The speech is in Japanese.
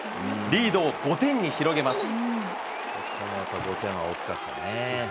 リードを５点に広げます。